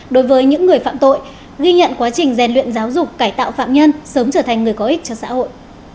đối với những người phạm tội ghi nhận quá trình rèn luyện giáo dục cải tạo phạm nhân sớm trở thành người có ích cho xã hội